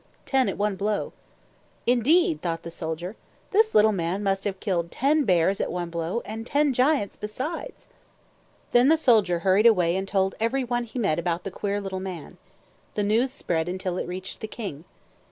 Ten at one blow. "Indeed!" thought the soldier. "This little man must have killed TEN BEARS at one blow, and TEN GIANTS besides." Then the soldier hurried away and told every one he met about the queer little man. The news spread until it reached the king.